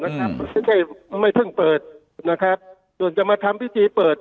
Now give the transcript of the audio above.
นะครับไม่เพิ่งเปิดนะครับจนจะมาทำพิธีเปิด